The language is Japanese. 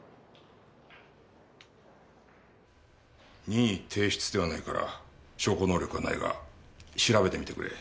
任意提出ではないから証拠能力はないが調べてみてくれ。